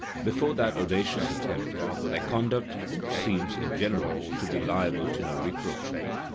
Before that audacious attempt, their conduct seems, in general, to be liable to no reproach.